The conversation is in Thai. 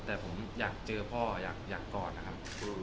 แต่ผมอยากเจอพ่ออยากกอดนะครับ